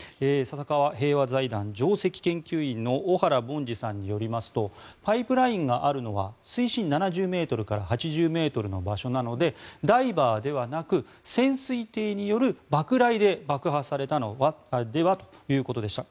笹川平和財団上席研究員の小原凡司さんによりますとパイプラインがあるのは水深７０ｍから８０ｍの場所なのでダイバーではなく潜水艇による爆雷で爆破されたのではということでした。